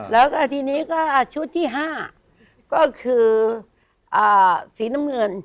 แล้วก็ทีนี้ก็ชุดที่๕ก็คือสีน้ำเงิน